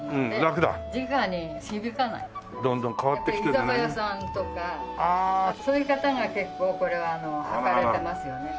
居酒屋さんとかそういう方が結構これは履かれてますよね。